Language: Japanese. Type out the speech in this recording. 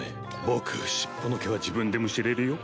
僕尻尾の毛は自分でむしれるよ